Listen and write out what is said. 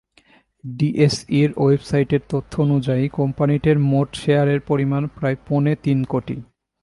ডিএসইর ওয়েবসাইটের তথ্য অনুযায়ী, কোম্পানিটির মোট শেয়ারের পরিমাণ প্রায় পৌনে তিন কোটি।